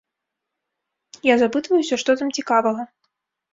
Я запытваюся, што там цікавага.